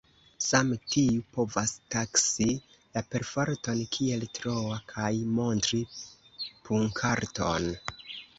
Same tiu povas taksi la perforton kiel troa kaj montri punkarton.